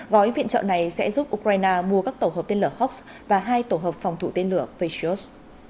gói viện trợ này sẽ giúp ukraine mua các tổ hợp tên lửa hoks và hai tổ hợp phòng thủ tên lửa patriot